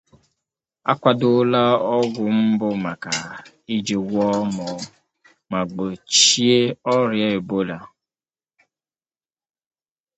akwadola ọgwụ mbụ maka iji gwọọ ma gbochie ọrịa Ebola